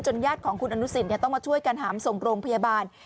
ญาติของคุณอนุสิตต้องมาช่วยกันหามส่งโรงพยาบาล